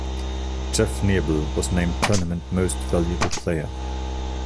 Jeff Nebel was named Tournament Most Valuable Player.